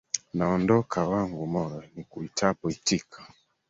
Naondoka wangu moyo, nikuitapo itika